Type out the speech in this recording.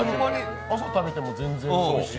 朝食べてもホンマにおいしい。